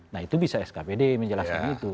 nah itu bisa skpd menjelaskan itu